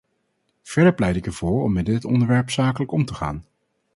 Verder pleit ik ervoor om met dit onderwerp zakelijk om te gaan.